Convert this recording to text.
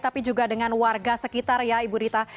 tapi juga dengan warga sekitar ya ibu rita